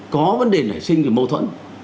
có vấn đề nảy sinh thì mâu thuẫn